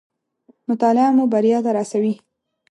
مطالعه مو بريا ته راسوي